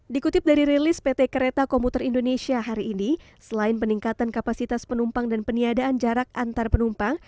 dikutip dari rilis pt kereta komuter indonesia hari ini selain peningkatan kapasitas penumpang dan peniadaan jarak antar penumpang